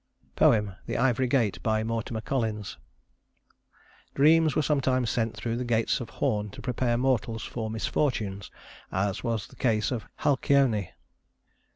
Poem: The Ivory Gate MORTIMER COLLINS Dreams were sometimes sent through the gates of horn to prepare mortals for misfortunes, as was the case of Halcyone.